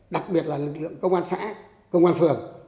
đặc biệt là lực lượng công an xã công an phường